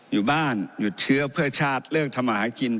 อยู่บ้านหยุดเชื้อเพื่อชาติเลิกทำอาหารกิน